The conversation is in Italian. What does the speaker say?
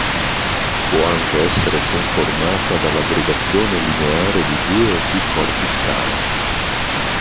Può anche essere conformata dall'aggregazione lineare di due o più corpi scala.